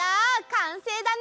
かんせいだね！